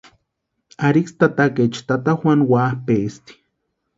Ariksï tatakaecha tata Juanu wapʼaesti.